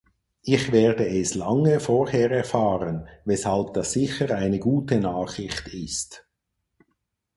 Ich werde es lange vorher erfahren, weshalb das sicher eine gute Nachricht ist!